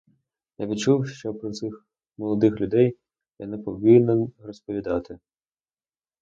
Я відчув, що про цих молодих людей я не повинен розповідати.